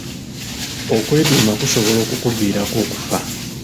Okwediima kusobola okukuviirako okufa.